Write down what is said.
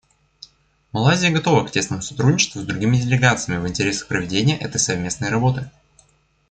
Малайзия готова к тесному сотрудничеству с другими делегациями в интересах проведения этой совместной работы.